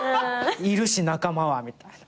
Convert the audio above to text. いるし仲間はみたいな。